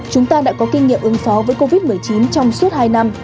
chúng ta đã có kinh nghiệm ứng phó với covid một mươi chín trong suốt hai năm